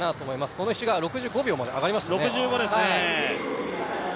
この１周が６５秒まで上がりましたね。